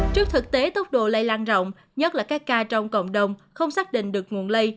trước thực tế tốc độ lây lan rộng nhất là các ca trong cộng đồng không xác định được nguồn lây